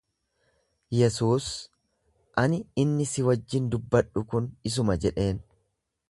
Yesuus, Ani inni si wajjin dubbadhu kun isuma jedheen.